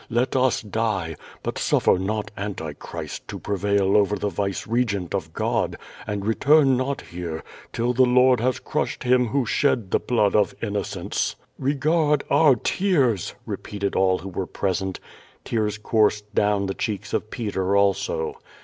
Let us die, but suffer not anti Christ to prevail over the vicegerent of God, and return not here till the Lord has crushed him who shed the blood of innocents." "Regard our tears," repeated all who were present. Tears coursed down the cheeks of Peter also.